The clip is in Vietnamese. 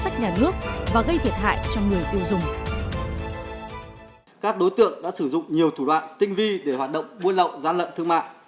các đối tượng đã sử dụng nhiều thủ đoạn tinh vi để hoạt động buôn lậu gian lận thương mại